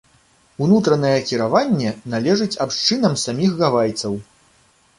Унутранае кіраванне належыць абшчынам саміх гавайцаў.